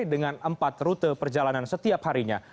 dengan empat rute perjalanan setiap harinya